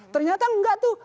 ternyata enggak tuh